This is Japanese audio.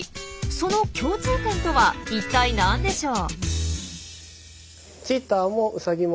その共通点とは一体何でしょう？